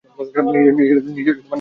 নিজের খেয়াল রেখো!